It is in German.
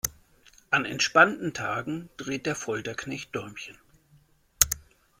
An entspannten Tagen dreht der Folterknecht Däumchen.